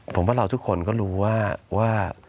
ผมว่าเราทุกคนก็รู้ว่า